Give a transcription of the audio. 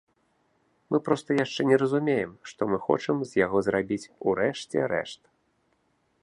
Мы проста яшчэ не разумеем, што мы хочам з яго зрабіць у рэшце рэшт.